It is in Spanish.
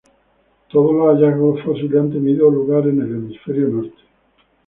Todos los hallazgos fósiles han tenido lugar en el Hemisferio Norte.